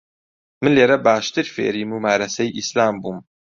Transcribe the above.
من لێرە باشتر فێری مومارەسەی ئیسلام بووم.